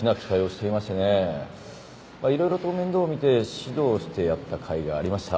いろいろと面倒を見て指導してやったかいがありました。